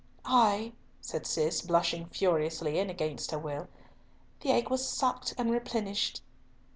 "Ay," said Cis, blushing furiously and against her will, "the egg was sucked and replenished."